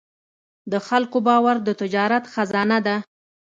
د خلکو باور د تجارت خزانه ده.